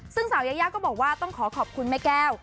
ซึ่งสาวยายาก็บอกว่าต้องขอขอบคุณแม่แก้ว